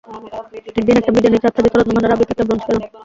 একদিন, একটা ব্রীজের নিচে আচ্ছাদিত রত্নভাণ্ডারে আবৃত একটা ব্রোঞ্জ পেলাম।